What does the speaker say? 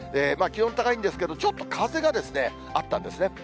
気温高いんですけど、ちょっと風があったんですね。